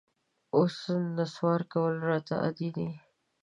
اوس نسوار کول راته عادي دي